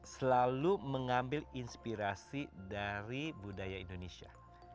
selalu mengambil inspirasi dari budaya indonesia